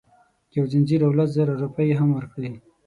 یو ځنځیر او لس زره روپۍ یې هم ورکړې.